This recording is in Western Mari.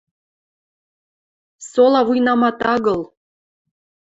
Сола вуйнамат агыл.